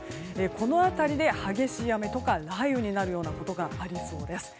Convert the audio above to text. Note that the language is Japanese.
このあたりで、激しい雨とか雷雨になることがありそうです。